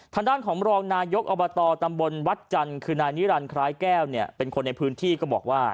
ทางด้านของรองนายกอบตตำบลวัดจันทร์คือนายนิรันดิคล้ายแก้วเนี่ยเป็นคนในพื้นที่ก็บอกว่า